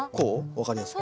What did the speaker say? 分かりやすく。